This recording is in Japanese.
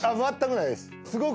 まったくないです。